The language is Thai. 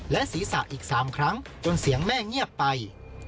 และศีรษะอีก๓ครั้งจนเสียงแม่เงียบไป